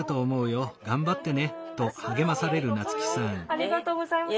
ありがとうございます。